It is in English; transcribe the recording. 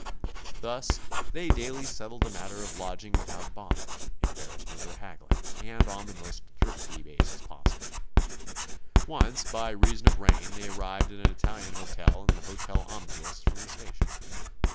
Thus they daily settled the matter of lodging without bother, embarrassment or haggling, and on the most thrifty basis possible. Once by reason of rain they arrived at an Italian hotel in the hotel omnibus from the station.